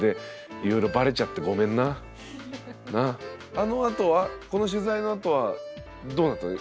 あのあとはこの取材のあとはどうなったの？